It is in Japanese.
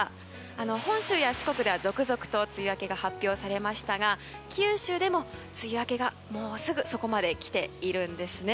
本州や四国では続々と梅雨明けが発表されましたが九州でも梅雨明けがもうすぐそこまで来ているんです。